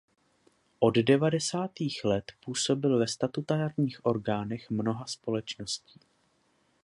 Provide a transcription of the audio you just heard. Od devadesátých let působil ve statutárních orgánech mnoha společností.